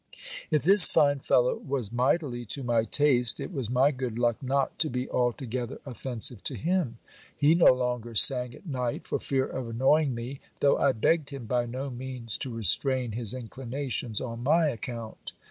If this fine fellow was mightily to my taste, it was my good luck not to be altogether offensive to him. He no longer sang at night for fear of annoying me, though I begged him by no means to restrain his inclinations on my account.